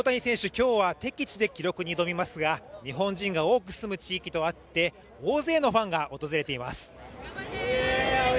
今日は敵地で記録に挑みますが日本人が多く住む地域とあって大勢のファンが訪れています